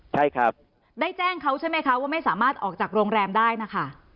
ใช่ครับได้แจ้งเขาใช่ไหมคะว่าไม่สามารถออกจากโรงแรมได้นะคะ